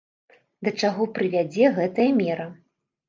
Да чаго прывядзе гэтая мера?